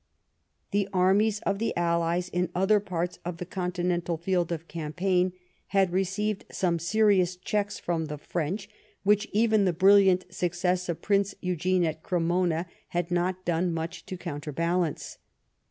The armies of the allies in other parts of the continental field of campaign had received some serious checks from the French, which even the brilliant success of Prince Eugene at Cre mona had not done much to counterbalance.